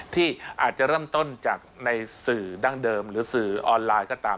ที่อาจจะเริ่มต้นจากในสื่อดั้งเดิมหรือสื่อออนไลน์ก็ตาม